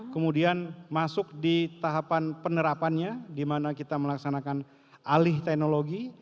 kemudian masuk di tahapan penerapannya di mana kita melaksanakan alih teknologi